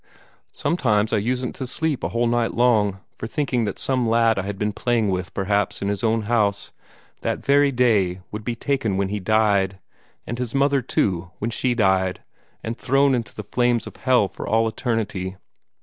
Sometimes I usen't to sleep a whole night long, for thinking that some lad I had been playing with, perhaps in his own house, that very day, would be taken when he died, and his mother too, when she died, and thrown into the flames of hell for all eternity.